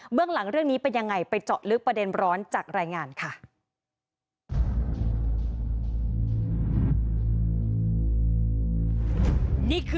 เบื้องหลังเรื่องนี้เป็นยังไง